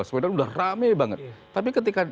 sudah rame banget tapi ketika